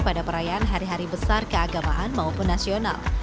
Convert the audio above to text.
pada perayaan hari hari besar keagamaan maupun nasional